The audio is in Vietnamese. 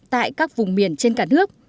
tại các vùng miền trên cả nước